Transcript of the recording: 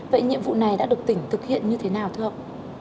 vậy nhiệm vụ này đã được tỉnh thực hiện như thế nào thưa ông